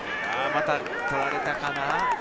また取られたかな。